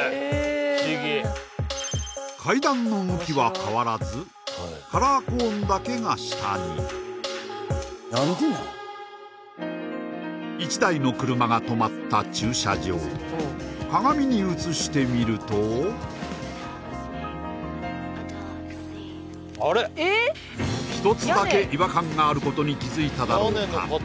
不思議え階段の向きは変わらずカラーコーンだけが下に１台の車が止まった駐車場鏡に映してみると１つだけ違和感があることに気づいただろうか？